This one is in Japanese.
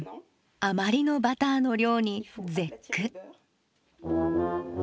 あまりのバターの量に絶句。